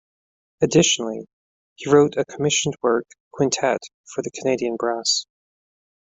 Additionally, he wrote a commissioned work, "Quintet," for the Canadian Brass.